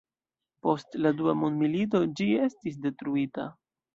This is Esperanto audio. Post la dua mondmilito ĝi estis detruita.